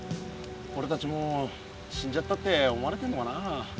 おれたちもう死んじゃったって思われてんのかなあ。